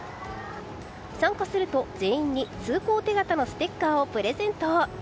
参加すると全員に通行手形のステッカーをプレゼント。